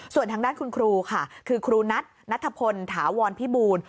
ส่วนทางด้านคุณครูค่ะคือครูนัทนัทพลถาวรพิบูล